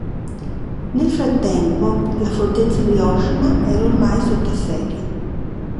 Nel frattempo, la fortezza di Oshima era ormai sotto assedio.